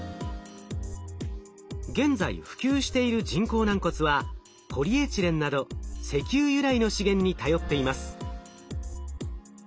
現在普及している人工軟骨はポリエチレンなど石油由来の資源に頼っています。